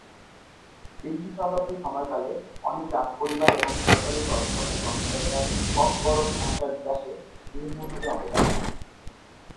বিংশ শতাব্দীর সময়কালে অনেক রাজপরিবার এবং সরকারি কর্মকর্তা-কর্মচারীরা ককবরক ভাষার বিকাশে বিভিন্নভাবে অবদান রাখেন।